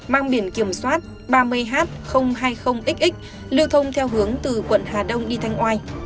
mang biển kiểm soát ba mươi h hai mươi x lưu thông theo hướng từ quận hà đông đi thanh oai